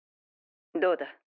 どうだ？